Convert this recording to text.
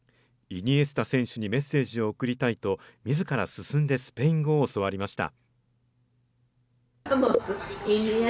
イニエスタ選手にメッセージを送りたいと、みずから進んでスペイン語を教わりました。